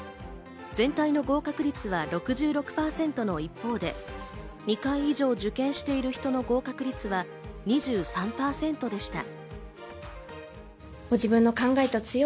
全体の合格率は６６％の一方で、２回以上受験している人の合格率は２３％でした。